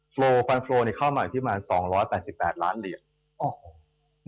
ใน๑เดือนฟันโฟล์เข้ามาอยู่ที่ประมาณ๒๘๘ล้านเหรียญ